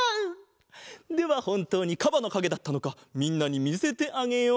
ではほんとうにかばのかげだったのかみんなにみせてあげよう！